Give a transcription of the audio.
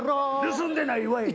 盗んでないわい！